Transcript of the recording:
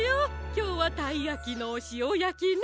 きょうはたいやきのしおやきね。